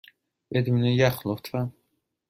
بدون یخ، لطفا.